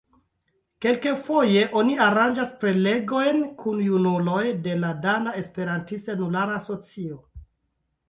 Kelkfoje oni aranĝas prelegojn kun junuloj de la Dana Esperantista Junulara Asocio.